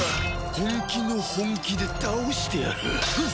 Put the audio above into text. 本気の本気で倒してやる。